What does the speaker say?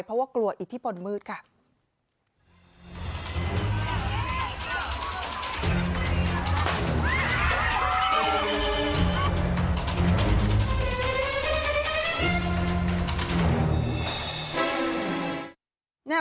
เพราะว่ากลัวอิทธิพลมืดค่ะ